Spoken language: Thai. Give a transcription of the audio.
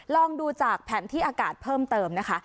ลองดูจากแผนที่อากาศเพิ่มเติมนะคะ